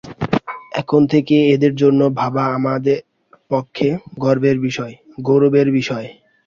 এখন থেকে এঁদের জন্যে ভাবা আমাদের পক্ষে গর্বের বিষয়– গৌরবের বিষয়।